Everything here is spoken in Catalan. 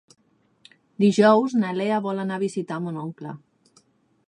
Dijous na Lea vol anar a visitar mon oncle.